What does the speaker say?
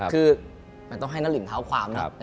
คือมันต้องให้นารินเท้าความนะ